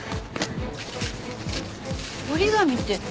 折り紙って何？